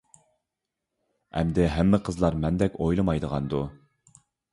ئەمدى ھەممە قىزلار مەندەك ئويلىمايدىغاندۇ.